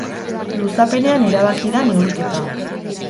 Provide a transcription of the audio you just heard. Luzapenean erabaki da neurketa.